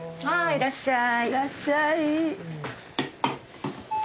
いらっしゃい。